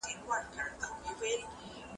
دا زموږ لويه تشه ده.